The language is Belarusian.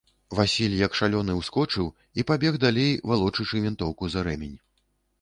Васіль, як шалёны, ускочыў і пабег далей, валочачы вінтоўку за рэмень.